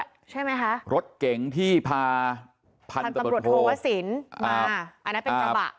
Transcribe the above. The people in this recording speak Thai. ใช่ไหมคะรถเก๋งที่พาพันธุ์ตำรวจโทวสินมาอันนั้นเป็นกระบะ